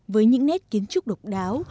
với những nét kiến trúc độc đáo